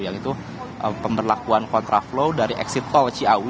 yaitu pemberlakuan kontra flow dari exit tol ciawi